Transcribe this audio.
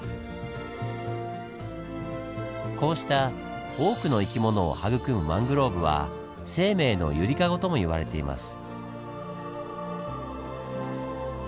こうした多くの生き物を育むマングローブは「生命のゆりかご」とも言われています。